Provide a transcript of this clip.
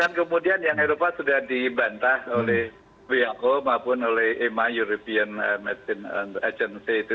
kan kemudian yang eropa sudah dibantah oleh who maupun oleh emma european mesin agency itu